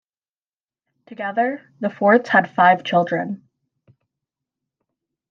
Together, the Fordes had five children.